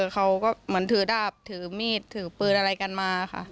เขาก็เหมือนถือดาบถือมีดถือปืนอะไรกันมาค่ะ